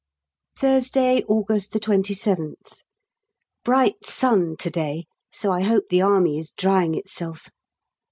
Thursday, August 27th. Bright sun to day, so I hope the Army is drying itself.